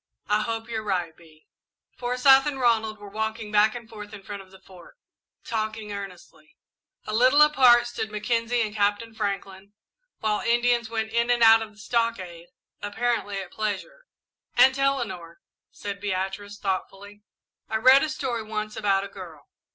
"I hope you're right, Bee." Forsyth and Ronald were walking back and forth in front of the Fort, talking earnestly. A little apart stood Mackenzie and Captain Franklin, while Indians went in and out of the stockade, apparently at pleasure. "Aunt Eleanor," said Beatrice, thoughtfully, "I read a story once about a girl.